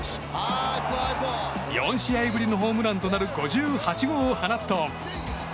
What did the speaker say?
４試合ぶりのホームランとなる５８号を放つと。